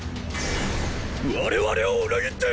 我々を裏切って！！